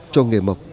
cho nghề mọc